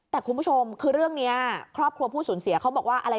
แต่คุณผู้ชมคือเรื่องนี้ครอบครัวผู้สูญเสียเขาบอกว่าอะไร